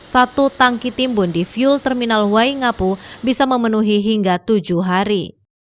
satu tangki timbun di fuel terminal waingapu bisa memenuhi hingga tujuh hari